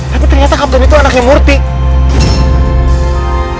tapi ternyata kapten itu anaknya murthy